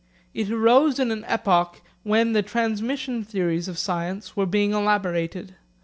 It arose in an epoch when the transmission theories of science were being elaborated.